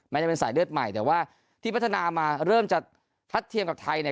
จะเป็นสายเลือดใหม่แต่ว่าที่พัฒนามาเริ่มจะทัดเทียมกับไทยเนี่ย